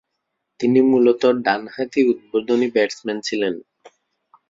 তিনি মূলতঃ ডানহাতি উদ্বোধনী ব্যাটসম্যান ছিলেন।